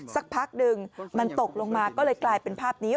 สักพักหนึ่งมันตกลงมาก็เลยกลายเป็นภาพนี้